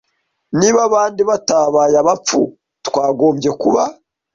Niba abandi batabaye abapfu twakagombye kuba